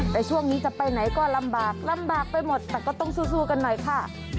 แต่ช่วงนี้จะไปไหนก็ลำบากลำบากไปหมดแต่ก็ต้องสู้กันหน่อยค่ะ